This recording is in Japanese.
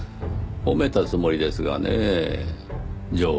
褒めたつもりですがねぇ丈夫な体を。